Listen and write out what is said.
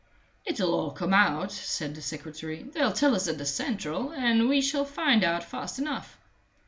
"It'll all come out," said the secretary. "They'll tell us at the central, and we shall find out fast enough."